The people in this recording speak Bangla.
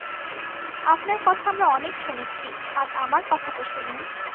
আপনার কথা আমরা অনেক শুনেছি, আজ আমার কথাটা শুনুন।